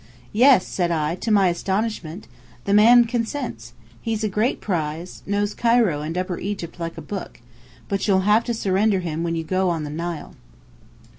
"Yes," said I. "To my astonishment! The man consents. He's a great prize, knows Cairo and upper Egypt like a book. But you'll have to surrender him when you go on the Nile."